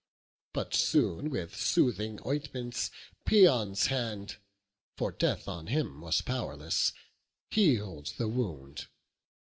But soon with soothing ointments Paeon's hand (For death on him was powerless) heal'd the wound.